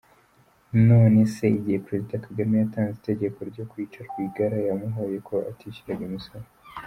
None se igihe Perezida Kagame yatanze itegeko ryo kwica Rwigara, yamuhoye ko atishyuraga imisoro ?